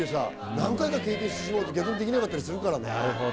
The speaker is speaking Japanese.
何回か経験してしまうと逆にできなかったりするからね。